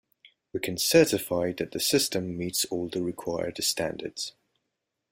We can certify that the system meets all the required standards.